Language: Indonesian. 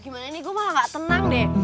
gimana nih gua malah gak tenang deh